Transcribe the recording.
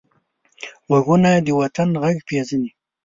غوږونه د وطن غږ پېژني